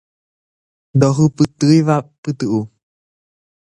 Ndohupytýiva pytu'u